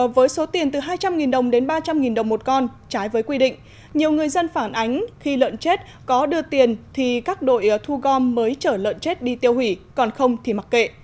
với số tiền từ hai trăm linh đồng đến ba trăm linh đồng một con trái với quy định nhiều người dân phản ánh khi lợn chết có đưa tiền thì các đội thu gom mới chở lợn chết đi tiêu hủy còn không thì mặc kệ